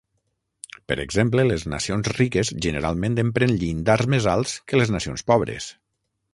Per exemple, les nacions riques generalment empren llindars més alts que les nacions pobres.